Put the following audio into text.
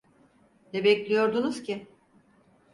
Ne bekliyordunuz ki?